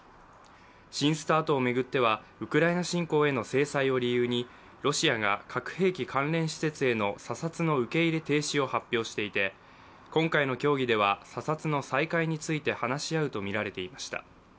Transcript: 新ＳＴＡＲＴを巡ってはウクライナ侵攻への制裁を理由にロシアが核兵器関連施設への査察の受け入れ停止を発表していて今回の協議では査察の再開について話し合うとみられていました。